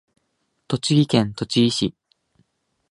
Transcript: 栃木県栃木市